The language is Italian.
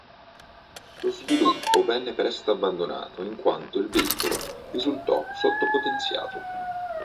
Lo sviluppo venne presto abbandonato in quanto il velivolo risultò sottopotenziato.